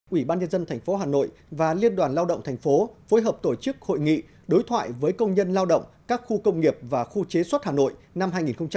ủy ban nhân dân thành phố hà nội và liên đoàn lao động thành phố phối hợp tổ chức hội nghị đối thoại với công nhân lao động các khu công nghiệp và khu chế suất hà nội năm hai nghìn một mươi bảy